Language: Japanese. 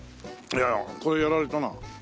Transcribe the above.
いやこりゃやられたな。